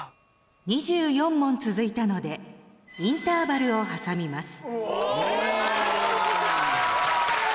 ２４問続いたのでインターバルを挟みます。